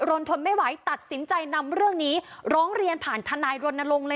นทนไม่ไหวตัดสินใจนำเรื่องนี้ร้องเรียนผ่านทนายรณรงค์เลย